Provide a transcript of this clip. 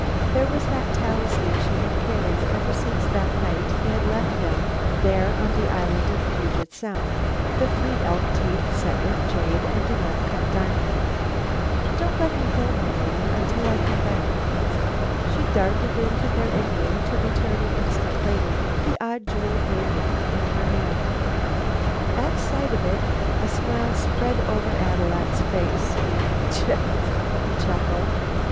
There was that talisman she had carried ever since that night he had left them there on the island of Puget Sound the three elk teeth set with jade and an uncut diamond. "Don't let him go, Marian, till I come back." She darted into their igloo, to return an instant later, the odd jewel gleaming in her hand. At sight of it a smile spread over Ad loo at's face. "Ch k!" he chuckled.